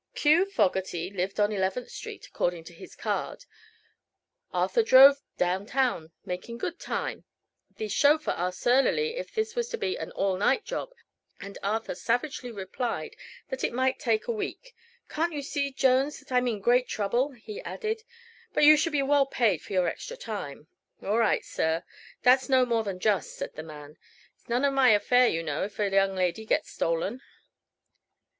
Q. Fogerty lived on Eleventh street, according to his card. Arthur drove down town, making good time. The chauffeur asked surlily if this was to be "an all night job," and Arthur savagely replied that it might take a week. "Can't you see, Jones, that I'm in great trouble?" he added. "But you shall be well paid for your extra time." "All right, sir. That's no more than just," said the man. "It's none of my affair, you know, if a young lady gets stolen."